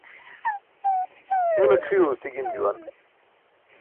Tole c̣ʰiyo uci gim juwan.